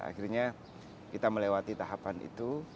akhirnya kita melewati tahapan itu